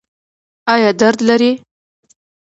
ایا درد لرئ؟